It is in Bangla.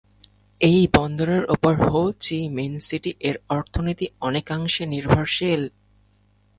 এই বন্দরের উপর হো চি মিন সিটি এর অর্থনীতি অনেকাংশে নির্ভরশীল।